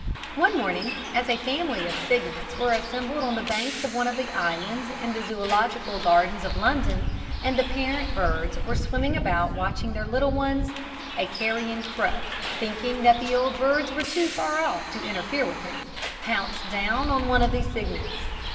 One morning, as a family of cygnets were assembled on the banks of one of the islands in the Zoological Gardens of London, and the parent birds were swimming about watching their little ones, a carrion crow, thinking that the old birds were too far off to interfere with him, pounced down on one of the cygnets.